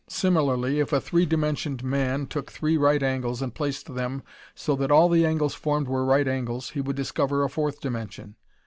Similarly, if a three dimensioned man took three right angles and placed them so that all the angles formed were right angles, he would discover a fourth dimension.